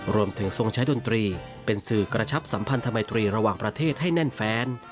ทรงใช้ดนตรีเป็นสื่อกระชับสัมพันธมัยตรีระหว่างประเทศให้แน่นแฟน